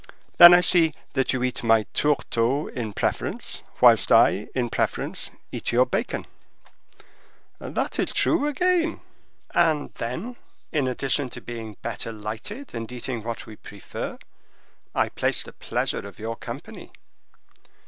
"Then I see that you eat my tourteau in preference, whilst I, in preference, eat your bacon." "That is true again." "And then, in addition to being better lighted and eating what we prefer, I place the pleasure of your company."